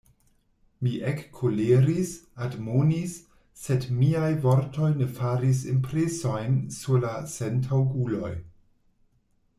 Mi ekkoleris, admonis, sed miaj vortoj ne faris impresojn sur la sentaŭguloj.